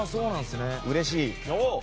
うれしい。